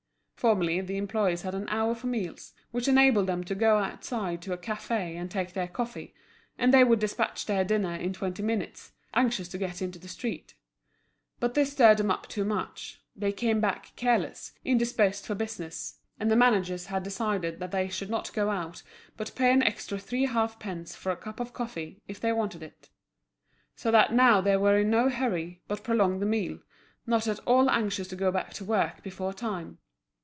Formerly the employees had an hour for meals, which enabled them to go outside to a café and take their coffee; and they would despatch their dinner in twenty minutes, anxious to get into the street But this stirred them up too much, they came back careless, indisposed for business; and the managers had decided that they should not go out, but pay an extra three halfpence for a Cup of coffee, if they wanted it. So that now they were in no hurry, but prolonged the meal, not at all anxious to go back to work before time.